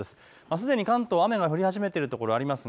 すでに関東雨が降り始めている所あります。